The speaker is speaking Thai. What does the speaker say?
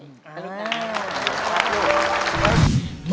อ้าว